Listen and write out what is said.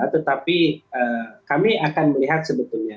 tetapi kami akan melihat sebetulnya